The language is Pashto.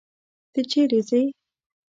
ته چيري ځې؟